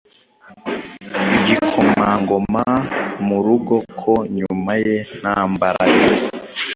igikomangoma murugoko nyuma ye nta mbaraga